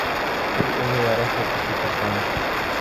Ул уны ярайһы көслө ташланы